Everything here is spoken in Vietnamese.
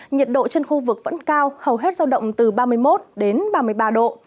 nhiệt độ trên khu vực vẫn cao hầu hết giao động từ ba mươi một đến ba mươi ba độ